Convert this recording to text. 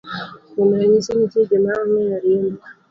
Kuom ranyisi, nitie joma ong'eyo riembo